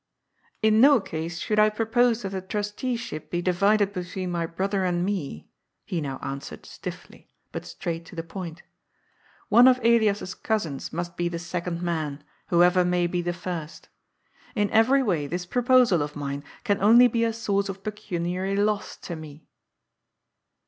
^' In no case should I propose that the trusteeship be divided between my brother and me," he now answered stiffly, but straight to the point ^^ One of Elias's cousins must be the second man, whoever may be the first In every way this proposal of mine can only be a source of pecuniary loss to me."